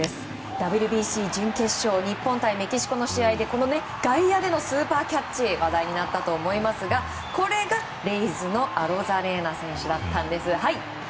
ＷＢＣ準決勝日本対メキシコの試合で外野でのスーパーキャッチ話題になったと思いますがこれがレイズのアロザレーナ選手だったんです。